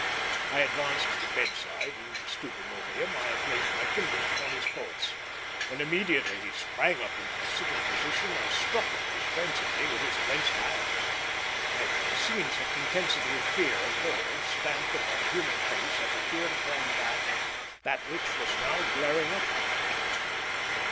I advanced to the bedside, and, stooping over him, I placed my fingers upon his pulse, when immediately he sprang up into the sitting position and struck at me frenziedly with his clenched hands. I have never seen such intensity of fear and horror stamped upon a human face as appeared upon that which was now glaring up at me.